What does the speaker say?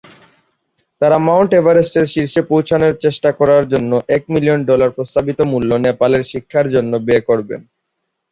তারা মাউন্ট এভারেস্টের শীর্ষে পৌঁছানোর চেষ্টা করার জন্য এক মিলিয়ন ডলার প্রস্তাবিত মূল্য নেপালের শিক্ষার জন্য ব্যয় করবেন।